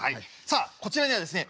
「さあこちらにはですね